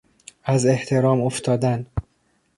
از احترام افتادن